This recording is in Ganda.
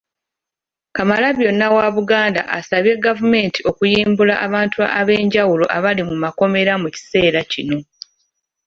Kamalabyonna wa Buganda asabye gavumenti okuyimbula abantu ab'enjawulo abali mu makomera mu kiseera kino